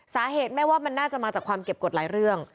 แม่ว่ามันน่าจะมาจากความเก็บกฎหลายเรื่อง